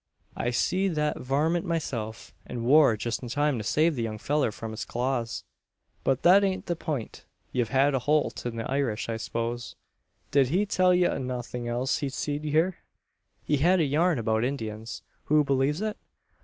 I see'd thet varmint myself, an war jest in time to save the young fellur from its claws. But thet aint the peint. Ye've had holt o' the Irish, I 'spose. Did he tell ye o' nothin' else he seed hyur?" "He had a yarn about Indians. Who believes it?"